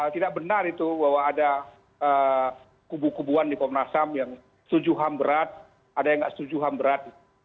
tidak benar itu bahwa ada kubu kubuan di komnas ham yang setuju ham berat ada yang tidak setuju ham berat